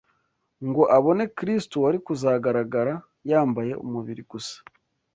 ngo abone Kristo wari kuzagaragara yambaye umubiri gusa